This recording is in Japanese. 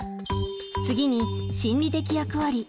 次に心理的役割。